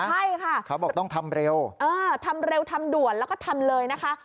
ใช่ค่ะเขาบอกต้องทำเร็วเออทำเร็วทำด่วนแล้วก็ทำเลยนะคะ